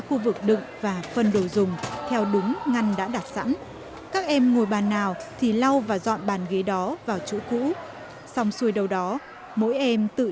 cô ạ con muốn con muốn làm bản thân con làm